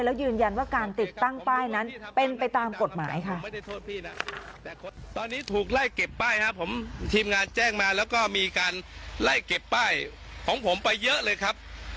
แล้วยืนยันว่าการติดตั้งป้ายนั้นเป็นไปตามกฎหมายค่ะ